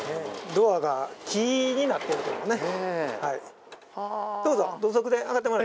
ドアが木になっているんですね。